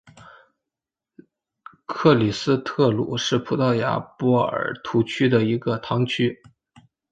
克里斯特卢是葡萄牙波尔图区的一个堂区。